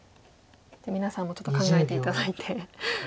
皆さんもちょっと考えて頂いて。